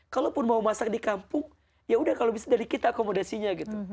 kalaupun mau masak di kampung yaudah kalau bisa dari kita akomodasinya gitu